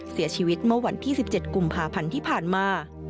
เสียชีวิตเมื่อวันที่๑๗กุมภาพันธ์ที่ผ่านมา